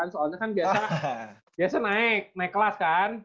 soalnya kan biasa naik naik kelas kan